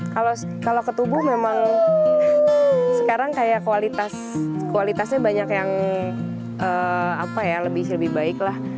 kalau ke tubuh memang sekarang kayak kualitasnya banyak yang lebih baik lah